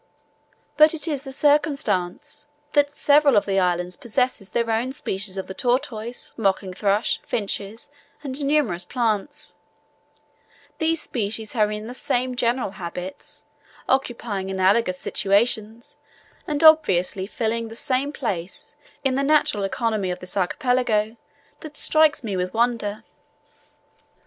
But it is the circumstance, that several of the islands possess their own species of the tortoise, mocking thrush, finches, and numerous plants, these species having the same general habits, occupying analogous situations, and obviously filling the same place in the natural economy of this archipelago, that strikes me with wonder.